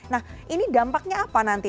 nah ini dampaknya apa nanti